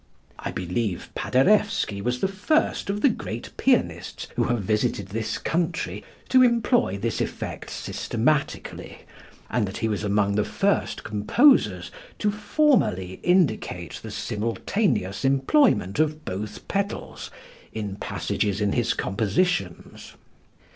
I believe Paderewski was the first of the great pianists who have visited this country, to employ this effect systematically, and that he was among the first composers to formally indicate the simultaneous employment of both pedals in passages in his compositions.